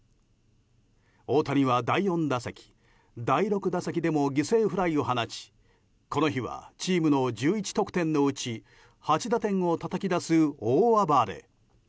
大谷は第４打席第６打席でも犠牲フライを放ちこの日はチームの１１得点のうち８打点をたたき出す大暴れ。